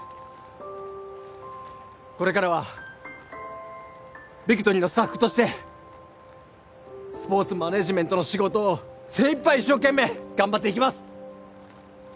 これからはビクトリーのスタッフとしてスポーツマネージメントの仕事を精いっぱい一生懸命頑張っていきます